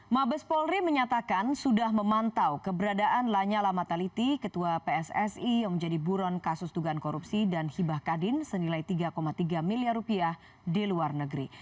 mabes polri menyatakan sudah memantau keberadaan lanyala mataliti ketua pssi yang menjadi buron kasus dugaan korupsi dan hibah kadin senilai tiga tiga miliar rupiah di luar negeri